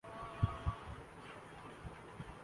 London کے flat پر آسائش تو بہت ہوں۔